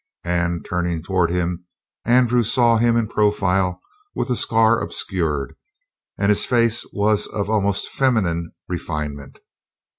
And, turning toward him, Andrew saw him in profile with the scar obscured and his face was of almost feminine refinement.